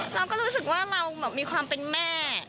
เราก็รู้สึกว่าเรามีความเป็นแม่